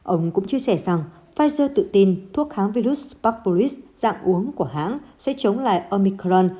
ông cũng chia sẻ rằng pfizer tự tin thuốc kháng virus papporis dạng uống của hãng sẽ chống lại omicron